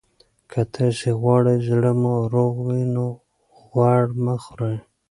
که تاسي غواړئ زړه مو روغ وي، نو غوړ مه خورئ.